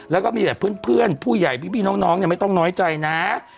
แล้วก็มีแต่เพื่อนผู้ใหญ่พี่น้องไม่ต้องน้อยใจนะ